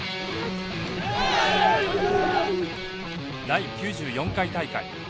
第９４回大会。